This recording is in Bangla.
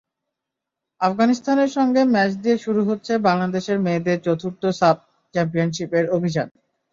আফগানিস্তানের সঙ্গে ম্যাচ দিয়ে শুরু হচ্ছে বাংলাদেশের মেয়েদের চতুর্থ সাফ চ্যাম্পিয়নশিপের অভিযান।